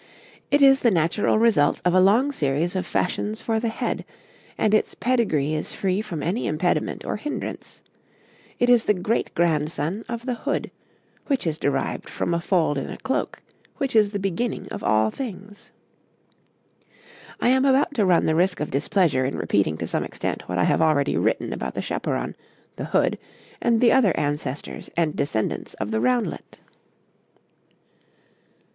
It is the natural result of a long series of fashions for the head, and its pedigree is free from any impediment or hindrance; it is the great grandson of the hood, which is derived from a fold in a cloak, which is the beginning of all things. I am about to run the risk of displeasure in repeating to some extent what I have already written about the chaperon, the hood, and the other ancestors and descendants of the roundlet.